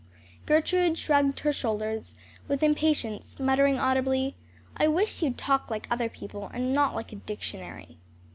Gertrude shrugged her shoulders, with impatience, muttering audibly, "I wish you'd talk like other people, and not like a dictionary."